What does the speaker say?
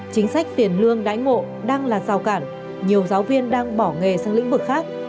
chính sách tiền lương đãi ngộ đang là rào cản nhiều giáo viên đang bỏ nghề sang lĩnh vực khác